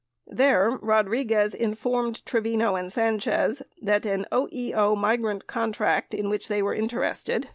There, Rodriguez informed Trevino and Sanchez that an OEO migrant contract in which they were interested 93 Exhibit No.